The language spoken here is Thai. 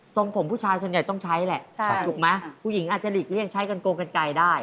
ส่งผมผู้ชายส่วนใหญ่ต้องใช้แหละถูกไหมผู้หญิงอาจจะหลีกเลี่ยงใช้กันโกงกันไกลได้